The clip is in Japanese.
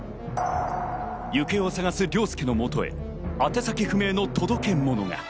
行方を捜す凌介の元へあて先不明の届け物が。